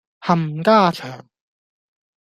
冚家祥